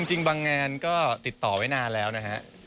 จริงบางงานก็ติดต่อไว้นานแล้วนะฮะ